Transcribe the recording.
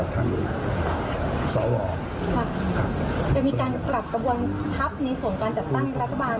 ถ้ามีก้าวกลายอยู่ในร่วมสมการ